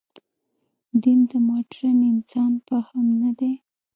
دین د مډرن انسان فهم نه دی.